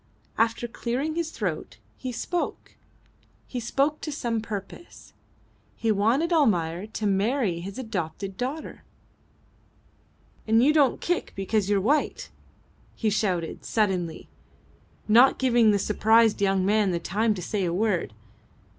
After clearing his throat he spoke. He spoke to some purpose. He wanted Almayer to marry his adopted daughter. "And don't you kick because you're white!" he shouted, suddenly, not giving the surprised young man the time to say a word.